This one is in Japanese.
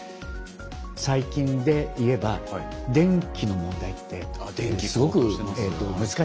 最近で言えば電気の問題ってすごく難しいですよね。